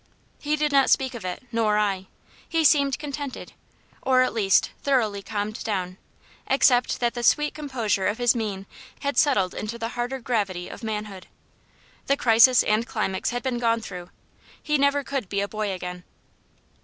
He did not speak of it nor I. He seemed contented or, at least, thoroughly calmed down; except that the sweet composure of his mien had settled into the harder gravity of manhood. The crisis and climax of youth had been gone through he never could be a boy again.